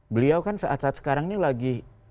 beliau kan saat saat sekarang ini lagi